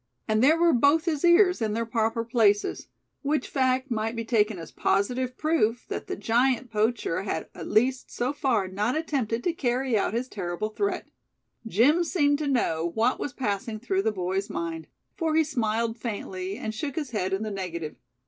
And there were both his ears in their proper places; which fact might be taken as positive proof that the giant poacher had at least so far not attempted to carry out his terrible threat. Jim seemed to know what was passing through the boy's mind; for he smiled faintly, and shook his head in the negative.